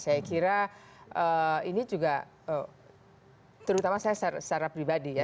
saya kira ini juga terutama saya secara pribadi ya